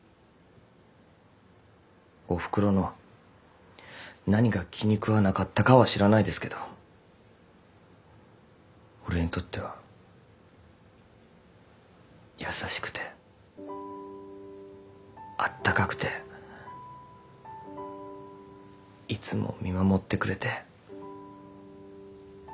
おふくろの何が気に食わなかったかは知らないですけど俺にとっては優しくてあったかくていつも見守ってくれて。